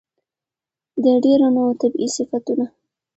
د ډېرو نوو طبيعتي صفتونو